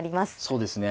そうですね。